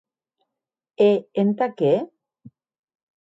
E entà qué?